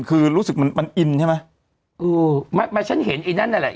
คือรู้สึกมันมันอินใช่ไหมอู๋ไม่ไม่ฉันเห็นไอ้นั่นอะไร